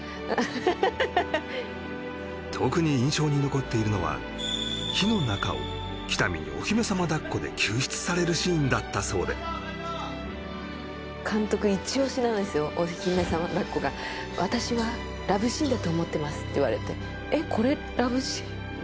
ハハハハ特に印象に残っているのは火の中を喜多見にお姫様抱っこで救出されるシーンだったそうで監督イチオシなんですよお姫様抱っこがって言われてえっこれラブシーン？